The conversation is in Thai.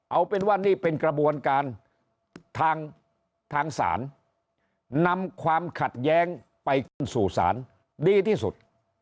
เอาเป็นว่านี่เป็นกระบวนการทางศาลนำความขัดแย้งไปขึ้นสู่ศาลดีที่สุด